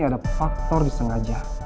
ada faktor disengaja